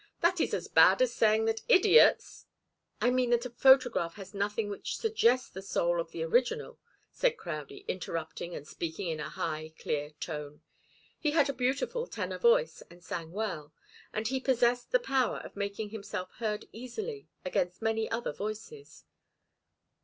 "That is as bad as saying that idiots " "I mean that a photograph has nothing which suggests the soul of the original," said Crowdie, interrupting and speaking in a high, clear tone. He had a beautiful tenor voice, and sang well; and he possessed the power of making himself heard easily against many other voices.